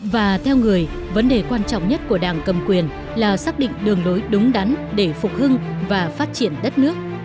và theo người vấn đề quan trọng nhất của đảng cầm quyền là xác định đường lối đúng đắn để phục hưng và phát triển đất nước